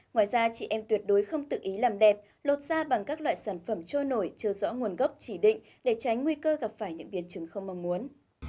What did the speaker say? ngoài ra chị em tuyệt đối không tự ý làm đẹp lột ra bằng các loại sản phẩm trôi nổi chưa rõ nguồn gốc chỉ định để tránh nguy cơ gặp phải những biến chứng không mong muốn